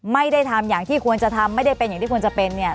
ไม่ได้ทำอย่างที่ควรจะทำไม่ได้เป็นอย่างที่ควรจะเป็นเนี่ย